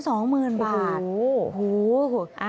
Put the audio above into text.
โอ้โฮ